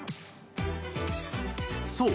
［そう。